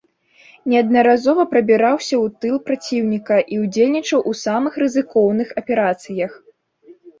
Неаднаразова прабіраўся ў тыл праціўніка і ўдзельнічаў у самых рызыкоўных аперацыях.